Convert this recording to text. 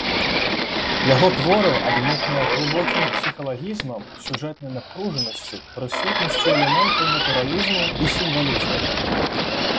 Яго творы адметныя глыбокім псіхалагізмам, сюжэтнай напружанасцю, прысутнасцю элементаў натуралізму і сімвалізму.